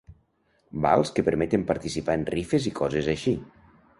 Vals que permeten participar en rifes i coses així.